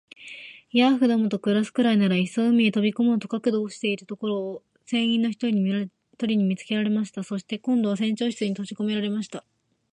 ヤーフどもと暮すくらいなら、いっそ海へ飛び込もうと覚悟しているところを、船員の一人に見つけられました。そして、今度は船長室にとじこめられました。